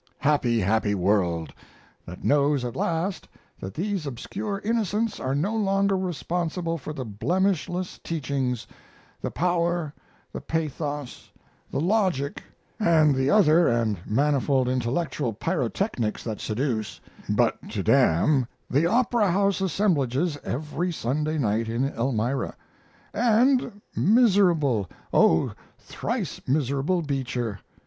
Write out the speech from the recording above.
Happy, happy world, that knows at last that these obscure innocents are no longer responsible for the blemishless teachings, the power, the pathos, the logic, and the other and manifold intellectual pyrotechnics that seduce, but to damn, the Opera House assemblages every Sunday night in Elmira! And miserable, O thrice miserable Beecher!